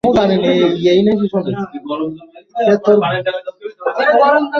এছাড়া এটি তার কয়েকটি চলচ্চিত্রের প্রথম চলচ্চিত্র, যা শ্রেষ্ঠ চলচ্চিত্রের জন্য একাডেমি পুরস্কারের মনোনয়ন লাভ করে।